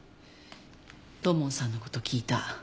土門さんの事聞いた。